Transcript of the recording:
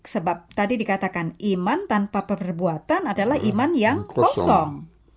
sebab tadi dikatakan iman tanpa perbuatan adalah iman yang kosong